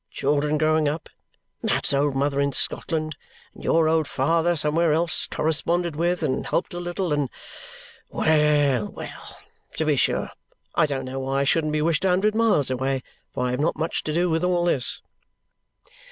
Children growing up. Mat's old mother in Scotland, and your old father somewhere else, corresponded with, and helped a little, and well, well! To be sure, I don't know why I shouldn't be wished a hundred mile away, for I have not much to do with all this!"